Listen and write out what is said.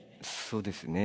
そうですね。